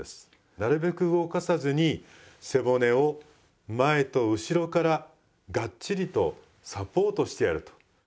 なるべく動かさずに背骨を前と後ろからガッチリとサポートしてやると。